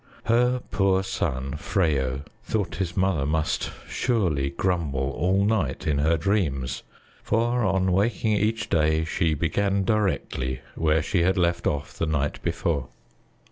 Her poor son, Freyo, thought his mother must surely grumble all night in her dreams, for on waking each day she began directly where she had left off the night before.